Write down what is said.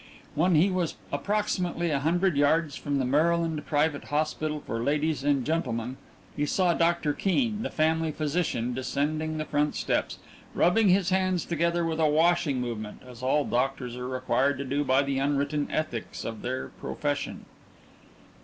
When he was approximately a hundred yards from the Maryland Private Hospital for Ladies and Gentlemen he saw Doctor Keene, the family physician, descending the front steps, rubbing his hands together with a washing movement as all doctors are required to do by the unwritten ethics of their profession.